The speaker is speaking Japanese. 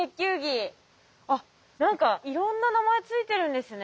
あっ何かいろんな名前付いてるんですね。